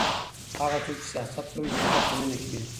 هغه څوک چې سیاست لولي د قدرت په مینه کې وي.